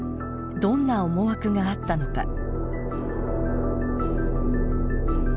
どんな思惑があったのか。